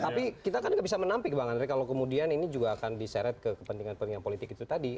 tapi kita kan nggak bisa menampik bang andre kalau kemudian ini juga akan diseret ke kepentingan kepentingan politik itu tadi